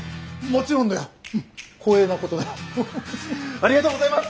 ありがとうございます！